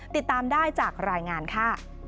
ติดตามได้จากรายงานค่ะ